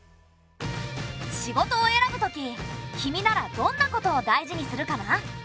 仕事を選ぶとき君ならどんなことを大事にするかな？